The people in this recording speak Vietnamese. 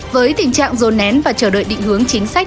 với tình trạng dồn nén và chờ đợi định hướng chính sách